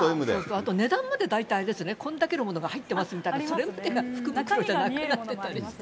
あと値段まで大体、あれですね、こんだけのものが入ってますみたいな、中身が見えてたりして。